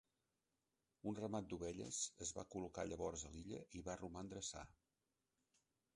Un ramat d'ovelles es va col·locar llavors a l'illa i va romandre sa.